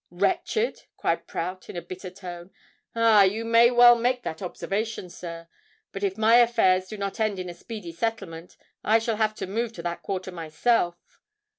"Wretched!" cried Prout, in a bitter tone: "ah! you may well make that observation, sir! But if my affairs do not end in a speedy settlement, I shall have to move to that quarter myself."